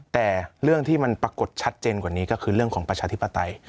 แต่เรื่องที่มันปรากฏชัดเจนกว่านี้ก็คือเรื่องของประชาธิปไตย